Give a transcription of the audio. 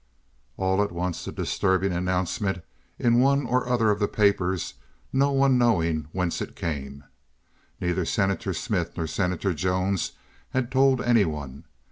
All at once a disturbing announcement in one or other of the papers, no one knowing whence it came. Neither Senator Smith nor Senator Jones had told any one.